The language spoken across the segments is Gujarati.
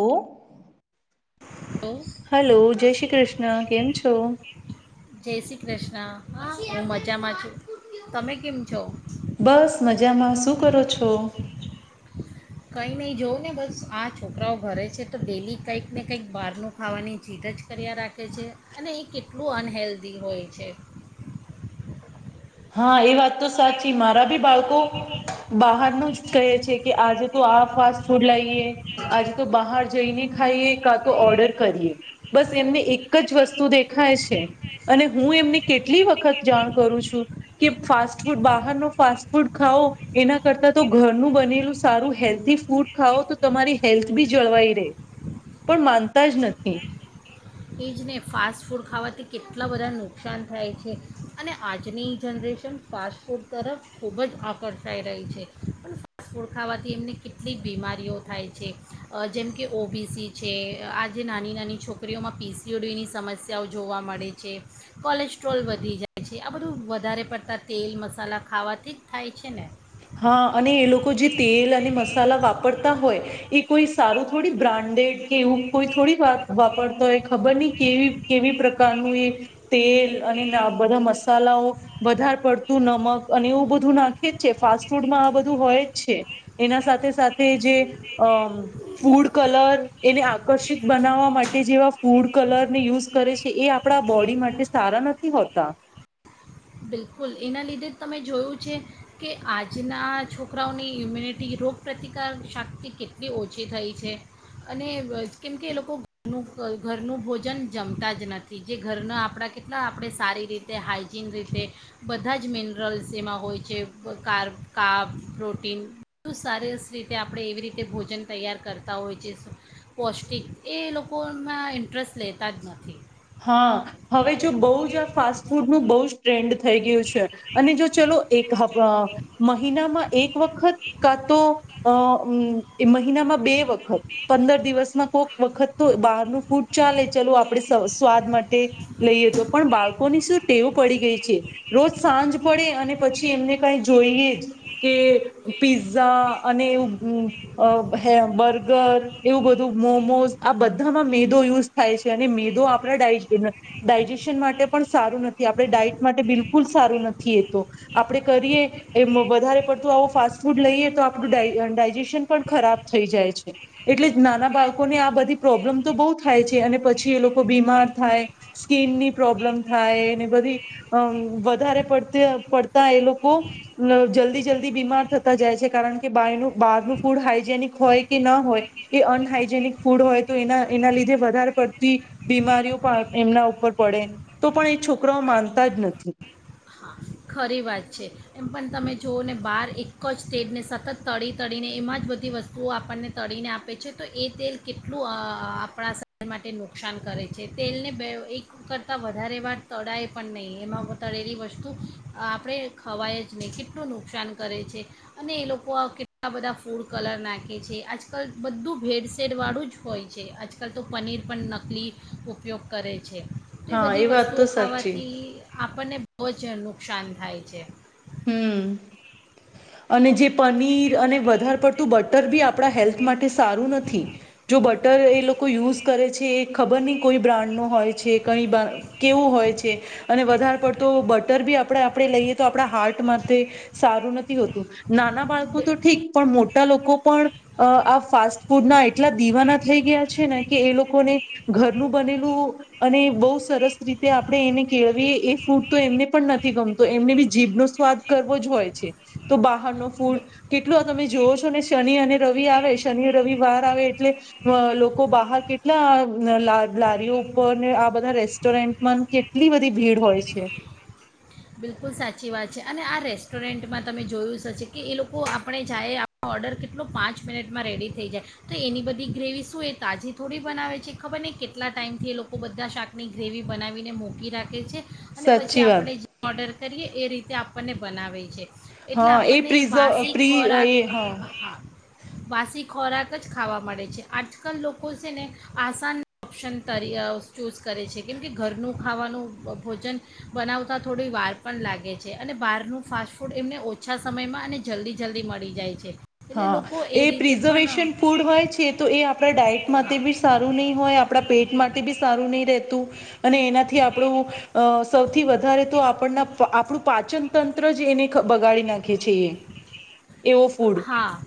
ઓ હેલો હલો, જય શ્રી કૃષ્ણ. કેમ છો? જય શ્રી કૃષ્ણ. હા, હું મજામાં છું. તમે કેમ છો? બસ મજામાં. શું કરો છો? કંઈ નહીં જોવ ને બસ આ છોકરાઓ ઘરે છે તો ડેલી કંઈક ને કંઈક બહારનું ખાવાની જીદ જ કર્યા રાખે છે અને એ કેટલું અનહેલ્ધી હોય છે. હા એ વાત તો સાચી મારા ભી બાલકો બહારનું જ કહે છે કે આજે તો આ ફાસ્ટ ફૂડ લાઇ લઈએ. આજ તો બહાર જઈને ખાઈએ. કાતો ઓર્ડર કરીએ. બસ એમને એક જ વસ્તુ દેખાય છે અને હું એમને કેટલી વખત જાણ કરું છું કે ફાસ્ટ ફૂડ બહાર નો ફાસ્ટ ફૂડ ખાઓ એના કરતા તો ઘરનું બનેલું સારું હેલ્થી ફૂડ ખાઓ તો તમારી હેલ્થ બી જળવાઈ રહે, પણ માનતા જ નથી. એજને ફાસ્ટ ફૂડ ખાવાથી કેટલા બધા નુકસાન થાય છે અને આજની જનરેશન ફાસ્ટ ફૂડ તરફ ખૂબ જ આકર્ષાઈ રહી છે પણ ફાસ્ટ ફૂડ ખાવાથી એમને કેટલી બીમારીઓ થાય છે અહ જેમ કે ઓ બી સી છે. આ જે નાની નાની છોકરીઓમાં પી સી ઓ ડી ની સમસ્યાઓ જોવા મળે છે. કોલેસ્ટ્રોલ વધી જાય છે આ બધું વધારે પડતાં તેલ મસાલા ખાવાથી જ થાય છે ને. હા, અને એ લોકો જે તેલ અને મસાલા વાપરતા હોય એ કોઈ સારું થોડી બ્રાન્ડેડ કે એવું કોઈ થોડી વા-વાપરતા હોય. ખબર નઈ કેવી કેવી પ્ર કાનું એ તેલ અને ના બધા મસાલાઓ વધારે પડતું નમક અને એવું બધું નાખે જ છે ફાસ્ટ ફૂડમાં આ બધું હોય જ છે એના સાથે સાથે જે અહ ફૂડ કલર એને આકર્ષિત બનાવવા માટે જેવા ફૂડ કલરને યુઝ કરે છે એ આપણા બોડી માટે સારા નથી હોતા. બિલકુલ એના લીધે જ તમે જોયું છે કે આજના છોકરાઓની ઇમ્યુનિટી રોગપ્રતિકાર શક્તિ કેટલી ઓછી થઈ છે અને કેમકે એ લોકોનું ઘરનું ભોજન જમતા જ નથી જે ઘરના આપણા કેટલા આપણે સારી રીતે હાઇજીન રીતે તે બધા જ મિનરલ્સ એમાં હોય છે કાર કાબ પ્રોટીન બુ સારી રીતે આપણે એવી રીતે ભોજન તૈયાર કરતા હોય છે પૌષ્ટિક એ લોકોમાં ઇન્ટરેસ્ટ લેતા જ નથી. હા હવે જો બહુ જ આ ફાસ્ટ ફૂડનું બહ જ ટ્રેન્ડ થઈ ગયું છે અને જો ચલો એક મહિનામાં એક વખત કા તો અ મહિનામાં બે વખત પંદર દિવસમાં કોઈક વખત તો બહારનું ફૂડ ચાલે ચાલું આપડે સરસવ સ્વાદ માટે લઈએ તો પણ બાળકોની શું ટેવ પડી ગઈ છે રોજ સાંજ પડે અને પછી એમને કઈ જોઈએ જ કે પીઝા અને એવું બર્ગર એવું બધું મોમોઝ આ બધામાં મેદો યુઝ થાય છે અને મેદો ડાયજેશન માટે પણ સારું નથી આપણે ડાઈટ માટે બિલકુલ સારું નથી એ તો આપડણે કરીએ વધારે પડતું આવો ફાસ્ટ ફૂડ લઈએ તો આપણું ડાયજેશન પણ ખરાબ થઈ જાય છે એટલે નાના બાળકોને આ બધી પ્રોબ્લેમ તો બહુ થાય છે અને પછી એ લોકો ર થાય સ્કીનની પ્રોબ્લેમ થાય એને બધી અ વધારે પડતી પડતા એ લોકો જલ્દી જલ્દી બીમાર થતા જાય છે કારણ કે બહારનું ફૂડ હાઈજેનિક હોય કે ના હોય એ અનહાઈજેનિક ફૂડ હોય તો એના એના લીધે વધારે પડતી બીમારીઓ પણ એમના ઉપર પડે તો પણ એ છોકરાઓ માનતા જ નથી. હા ખરી વાત છે એમ પણ તમે જુઓ ને બહાર એક જ સ્ટેડને સતત તળી તળીને એમાં જ બધી વસ્તુઓ આપણને તળીને આપે છે તો એ તેલ કેટલું આપણા શરીર માટે નુકસાન કરે છે તેલને બે એક કરતાં વધારે વાર તળાય પણ નહીં એમાં તળેલી વસ્તુ આપણે ખવાય જ નહીં કેટલું નુકસાન કરે છે અને એ [unintelligible] બધા ફૂડ કલર નાખે છે આજકાલ બધું ભેડસેેડવાળું જ હોય છે આજકાલ તો પનીર પણ નકલી ઉપયોગ કરે છે. એ હા બધી વાત તો વસ્તુઓ સાચી ખાવાથી આપણને બહુ જનું નુકાન થાય છે. હમ અને જે પનીર અને વધારે પડતું બટર બી આપણા હેલ્થ માટે સારું નથી જો બટર એ લોકો યુઝ કરે છે એ ખબર નહી કોઈ બ્રાન્ડ ન હોય છે કઈ કેવો હોય છે અને વધારે પડતો બટર બી આપણે આપણે લઈએ તો આપણા હાર્ટ માટે સારું નથી હોતું. નાના બાળકો બિ- તો ઠીક પણ મો મોટા લોકો પણ આ ફાસ્ટ ફૂડ ના એટલા દીવાના થઈ ગયા છે ને કે એ લોકોને ઘરનું બનેલું અને બહુ સરસ રીતે આપણે એને કેળવીએ એ ફૂડ તો એમને પણ નથી ગમતો એમને બી જીભનો સ્વાદ કરવો જ હોય છે તો બહાર ન બિ- ફૂડ કેટલોું આ તમે જોવ છો ને શનિ અને રવિ આવે શનિ અને રવિ વાર આવે એટલે લોકો બહાર કેટલા લારીઓ ઉપર ને આ બધા રેસ્ટોરન્ટમાં કેટલી બધી ભીડ હોય છે બિલકુલ સાચી વાત છે અને આ રેસ્ટોરન્ટમાં તમે જોયું હશે કે એ લોકો આપણે જાય આપનો ઓર્ડર કેટલો પાંચ મિનિટમાં રેડી થઈ જાય તો એની બધી ગ્રેવી શું એ તાજી થોડી બનાવે છે ખબર ને કેટલા ટાઈઇમથી એ લોકો બધા શાકની ગ્રેવી બનાવીને મૂકી રાખે છે. અને પછી સાચી વાત આપડે કરીએ એ રીતે આપણને બનાવે. છે, એટલે હા એ આપણને પ્રિઝર્વ વાષિક પ્રી ખોરાક એ હા વાષિક ખોરાક જ ખાવા મળે છે આજકાલ લોકો છે ને, આસાન ઓપ્શન ચૂઝ કરે છે કેમ કે ઘરનું ખાવાનું ભોજન, બનાવતા તથં થોડી વાર પણ લાગે છે અને બહારનું ફાસ્ટ ફૂડ એમને ઓછા સમયમાં અને જલ્દી જલ્દી મળી જાય છે. એટલે હા, લોકો એ રીતે પણ પ્રિઝર્વેશન ફૂડ હોય છે તો એ આપણા ડાયટ માટે હા બી સારું નહીં હોય આપણા પેટ માટે બી સારું નહી રહેતું. અને એનાથી આપણું, અ સૌથી વધારે તો આપણના આપણું પાચન તંત્ર જ એને બગાડી નાખે. રાખે છીએ. એવો ફૂડ. હા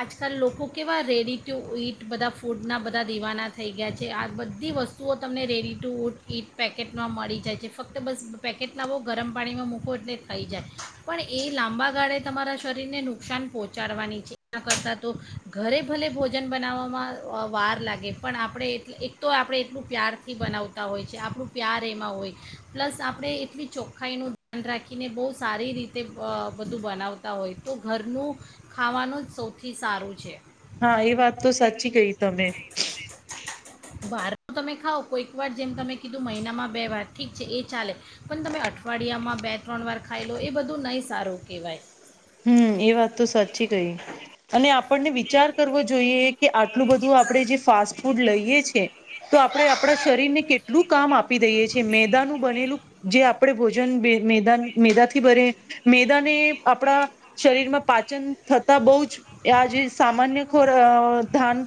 આજકાલ લોકો કેવા રેડી ટુ ઈટ બધા ફૂડના બધા દીવાના થઈ ગયા છે આ બધી વસ્તુઓ તમને રેડી ટુ ટ ઈટ પેકેટમાં મળી જાય છે ફક્ત બસ પેકેટ લાવો ગરમ પાણીમાં મૂકો એટલે થઈ જાય, પણ એ લાંબા ગાળે તમારા શરીરને નુકસાન પહોંચે. ચાડવાની છે કરતાં તો, ઘરે ભલે ભોજન બનાવવામાં વાર લાગે પણ આપણે એ એક તો આપણે એટલું પ્યારથી બનાવતા હોય છે, આપણું પ્યાર એમાં હોય પ્લસ આપણે એટલી ચોખ્ખાઈનું ધ્યાન રાખીને બહુ સારી રીતે બધું બનાવતા હોય તો ઘરનું. ખાવાનું જ સૌથી સારું છે. હા એ વાત તો સાચી કઈ તમે. વાર તમે ખાવ કોઈક વાર જેમ તમે કીધું મહિનામાં બે વાર ઠીક છે એ ચાલે, પણ તમે અઠવાડિયામાં બે ત્રણ વાર ખાઈ લો એ બધું નહી સારું કહેવાય. હમ એ વાત તો સાચી કહી, અને આપણને વિચાર કરવો જોઈએ કે આટલું બધું આપણે જે ફાસ્ટ ફૂડ લઈએ છે, તો આપણે આપણા શરીરને કેટલું કામ આપી દઈએ છે મેદાનું બનેલું જે આપણે ભોજન મેદા મેદાથી ભરે, મેદાને આપણા શરીરમાં પાચન થતા બહુ જ આ જે સામાન્ય ખોર ધાન,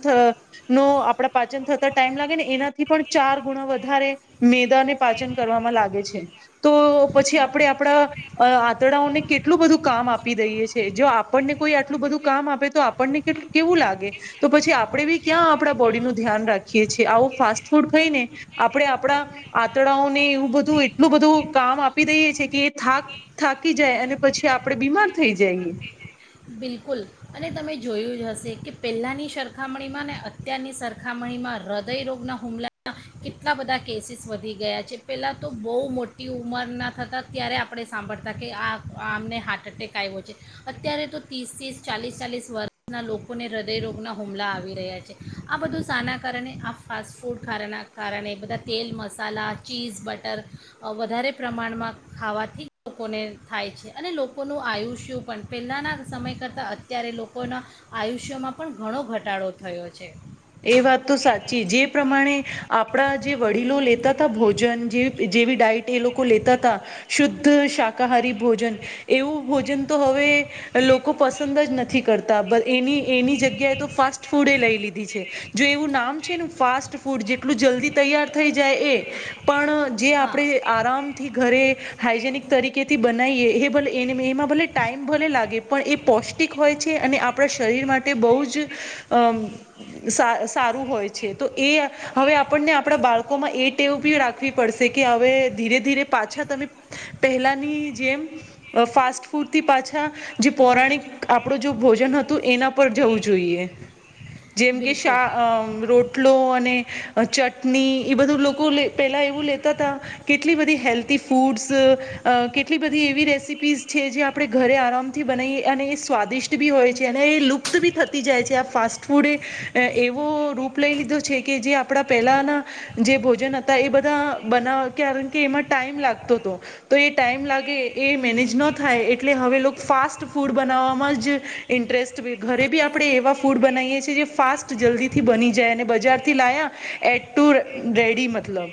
નો આપણા પાચન થતા ટાઈમ લાગે ને એનાથી પણ ચાર ગુણા વધારે મેદાને પાચન કરવામાં લાગે છે, તો પછી આપણે આપણા આંતડાઓને કેટલું બધું કામ આપે. આપી દઈએ છીએ. જો આપણને કોઈ આટલું બધું કામ આપે તો આપણને કેટલું કેવું લાગે તો પછી આપણે બી ક્યાં આપણા બોડીનું ધ્યાન રાખીએ છીએ. આવું ફાસ્ટ ફૂડ ખઈને આપણે આપણા આંતડાઓને એવું બધું એટલું બધું કામ આપી દઈએ છીએ. કે એ થાક થાકી જાય અને પછી આપણે બીમાર થઈ જઇએ. બિલકુલ, અને તમે જોયું જ હશે કે પહેલાંની સરખામણીમાં ને અત્યારની સરખામણીમાં હૃદયરોગના હુમલાના કેટલા બધા કેસીસ વધી ગયા છે, પહેલાં તો બહુ મોટી ઉંમરના થતાં ત્યારે આપણે સાંભળતા કે આ આમને હાર્ટ એટેક આવ્યો છે, અત્યારે તો તીસ તીસ ચાલીસ ચાલીસ વર્ષના લોકોને હૃદયરોગના હુમલા આવી રહ્યા છે, આ બધું શાના કારણે આ ફાસ્ટ ફૂડ ખાના કારણે બધા તેલ, મસાલા, ચીઝ બટર વધારે પ્રમાણમાં ખાવાથી લોકોને થાય છે, અને લોકોનું આયુષ્યુ પણ પહેલાંના સમય કરતાં અત્યારે લોકોના, આયુષ્યમાં પણ ઘણો ઘટાડો થયો. છે એ વાત તો સાચી જે પ્રમાણે આપડા જે વડીલો લેતાતા ભોજન જે જેવી ડાઈટ એ લોકો લેતાતા શુ ધ શાકાહારી ભોજન એવું ભોજન તો હવે લોકો પસંદ જ નથી કરતા. બ એની એની જગ્યાએ તો ફાસ્ટ ફૂડે લઈ લીધી છે. જો એવું નામ છે ને ફાસ્ટ ફૂડ જેટલું જલ્દી તૈયાર થઈ જાય એ પણ જે હા આપણે આરામથી ઘરે હાઈજેનિક તરીકેથી બનાવીએ એ ભલે એને મેં એમાં ભલે ટાઈમ ભલે લાગે પણ એ પૌષ્ટિક હોય છે અને આપણા શરીર માટે બહુ જ અમ્મ સા-સારું હોય છે. તો એ હવે આપણને આપડા બાળકોમાં એ ટેવ બી રાખવી પડશે કે હવે ધીરે ધીરે પાછા તમે પહેલાની જેમ અહ ફાસ્ટ ફૂડથી પાછા જે પૌરાણિક આપણું જો ભોજન હતું એના પર જવું જોઈએ. જેમ ચા, બિલકુલ અહ રોટલો અને ને અ ચટ ટની એ બધું લોકો લે પેલા એવું લે તાતા કેટલી બધી હેલ્ધી ફૂડ્સ, અહ કેટલી બધી એવી રેસીપીઝ છે જે આપણે ઘરે આરામથી બનાવીએ અને એ સ્વાદિષ્ટ બી હોય છે. અને એ લુપ્ત બી થતી જાય છે. આ ફાસ્ટ ફૂડે એ એ એવો રૂપ લઈ લીધો છે કે જે આપણા પહેલાંના જે ભોજન હતા એ બધા બનાવ કારણ કે એમાં ટાઈમ લાગતોતો તો એ ટાઈમ લાગે એ મેનેજ નો થાય એટલે હવે લોકો ફાસ્ટ ફૂડ બનાવવામાં જ ઇન્ટરેસ્ટ ઘરે બી આપણે એવા ફૂડ બનાવીએ છીએ જે ફાસ જ-જલ્દી થી બની જાય. અને બજાર થી લાયા એટ ટુ રેડી મતલબ.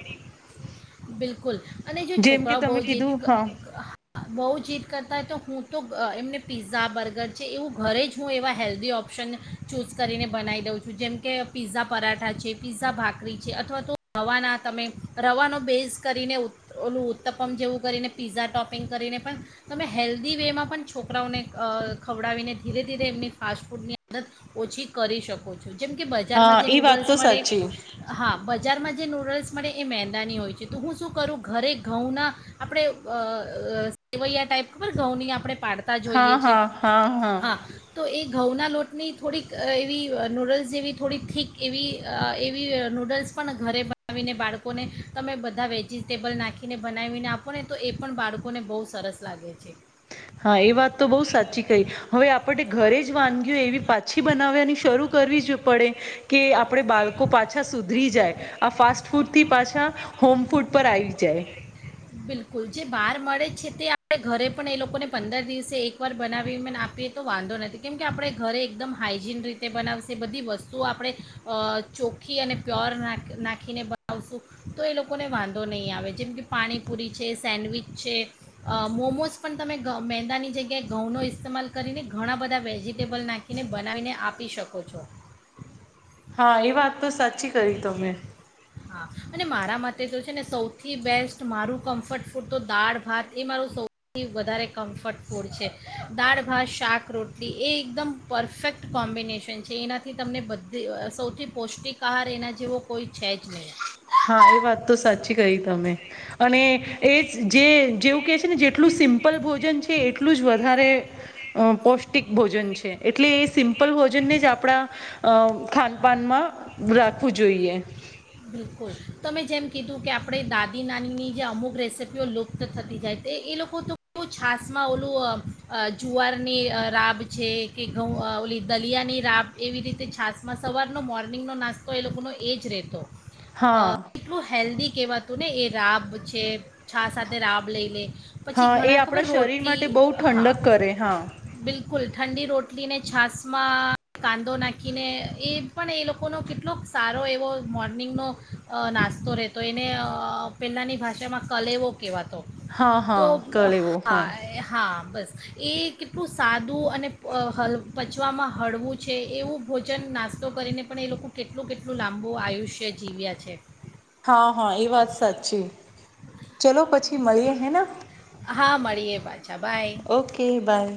બિલકુલ. અને જો જેમ કે છોકરાઓ બહુ તમે જીદ કીધું ક હા કા બહુ જીદ કરતા હોય તો હું તો બ એમને પિઝા, બર્ગર છે એવું ઘરે જ હું એવા હેલ્ધી ઓપ્શન ચૂસ કરીને બનાવી દઉં છું. જેમ કે પિઝા પરાઠા છે, પીઝા ભાખરી છે અથવા તો રવાના તમે રવાનો બેઝ મિક્સ કરીને ઓલું ઉત્તપમ જેવું કરીને પીઝા ટોપિંગ કરીને પણ તમે હેલ્ધી વેમાં પણ છોકરાઓને અહ ખવડાવીને ધીરે ધીરે એમની ફાસ્ટ ફૂડની આદત ઓછી કરી શકો છો. જેમ કે હા બજારમાં જે એ વાત નૂડલ્સ તો મળે સાચી હા બજારમાં જે નૂડલ્સ મેડ એ મેંદાની હોય છે. તો હું શું કરું ઘરે ઘઉંના, આપણે અ સેવૈયા ટાઈપ ખબર ઘઉંની આપણે પાડતા હા જોઈએ છે, હા હા હા તો એ ઘઉંના લોટની થોડીક એવી નૂડલ્સ જેવી થોડીક થીક એવી એવી નૂડલ્સ પણ ઘરે બનાવીને બાળકોને, તમે બધ બધા વેજિટેબલ નાખીને બનાવીને આપોને તો એ પણ બાળકોને બહુ સરસ લાગે. છે હા એ વાત તો બહુ સાચી કઈ, હવે આપણે ઘરે જ વાનગીઓ એવી પાછી બનાવવાની શરૂ કરવી જ પડે. કે આપણે બાળકો પાછા સુધરી જાય, આ ફા ફાસ્ટ ફૂડ થી પાછા, હોમ ફૂડ પર આવી જાય. બિલકુલ જે બહાર મળે છે તે આપણે ઘરે પણ એ લોકોને પંદર દિવસે એકવાર બનાવી મ આપીએ તો વાંધો નથી કેમ કે આપણે ઘરે એકદમ હાઇજીન રીતે બનાવશે બધી વસ્તુઓ આપણે, અ ચોખ્ખી અને પ્યોર નાખ નાખીને બનાવશું તો એ લોકોને વાંધો નહીં આવે. જેમ કે પાણી પુરી છે, સેન્ડવીચ છે, અ મોમોઝ પણ તમે મેંદાની જગ્યાએ ઘઉંનો ઇસ્તેમાલ કરીને ઘણા બધા વેજિટેબલ નાખીને બનાવીને આપી શકો છો. હા એ વાત તો સાચ ચી કરી તમે. હા અને મારા મતે તો છે ને સૌથી બેસ્ટ મારું કમ્ફર્ટ ફૂડ તો દાળ ભાત એ મારું સૌથી વધારે કમ્ફર્ટ ફૂડ છે, દાળ ભાત શાક રોટલી એ એકદમ પરફેક્ટ કોમ્બિનેશન છે એનાથી તમને બધી સૌથી પૌષ્ટિક કાર એના જેવો કોઈ છે જ નહીં. હા એ વાત તો સાચી કહિ તમે, અને એ જ જે જેવું કેહે છે ને જેટલું સિમ્પલ ભોજન છે એટલું જ વધારે પૌષ્ટિક ભોજન છે, એટલે એ સિમ્પલ ભોજનને જ આપણા ખાનપાનમાં રાખવું જોઈએ. બિલકુલ, તો મેં જેમ કીધું કે આપણે દાદી નાનીની જે અમુક રેસીપીઓ લુપ્ત થતી જાય તે એ લોકો તો કેવું છશમાં ઓલું, જુવારની રાબ છે કે ઘઉં ઓલી દલિયાની રાબ એવી રીતે છાશમાં સવારનો મોર્નિંગનો નાસ્તો એ લોકોનો એ જ રહેતો. અ હા કેટલું હેલ્ધ કહેવાતું ને એ રાબ છે છાસ સાથે રાબ લઈ લે. પછી હા એ ઘણા ખબર આપણા શરીર રોટલી માટે બહુ હા ઠંડક કરે હા. બિલકુલ ઠંડી રોટલીને છશમાં કાંદો નાખીને એ પણ એ લોકોનો કેટલોક સારો એવો મો મોરનિંગનો અ નાસ્તો રહેતો એને અ પહેલાંની ભાષામાં કલેવો કેવાતો હા હા તો કલેવો હા હા બસ એ કેટલું સાદું અને હ પચવામાં હળવું છે એવું ભોજન નાસ્તો કરીને પણ એ લોકો કેટલું કેટલું લાંબુ આવયુષ્ય તે જીવ્યા છે હા હા એ વાત સાચી ચલો પછી મળીએ હે ના. હા મળીએ પાછા બાય ઓકે બાય